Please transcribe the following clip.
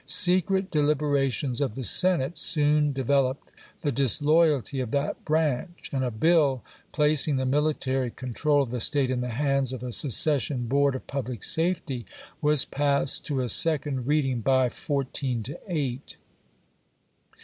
Secret deliberations of the Senate soon developed the disloyalty of that branch ; and a bUl placing the military control of the State in the hands of a secession "Board of Public Safety " was passed to a second reading by fourteen to eight.